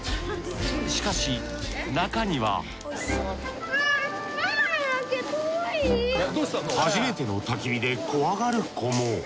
しかし中には初めての焚き火で怖がる子も。